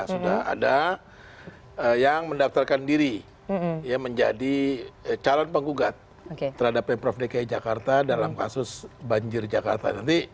sudah ada yang mendaftarkan diri menjadi calon penggugat terhadap pemprov dki jakarta dalam kasus banjir jakarta